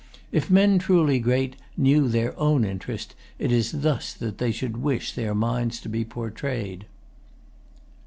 If men truly great knew their own interest, it is thus that they would wish their minds to be portrayed.